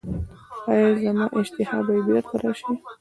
ایا زما اشتها به بیرته راشي؟